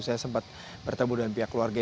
saya sempat bertemu dengan pihak keluarga